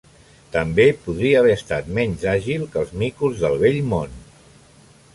També podria haver estat menys àgil que els micos del Vell Món.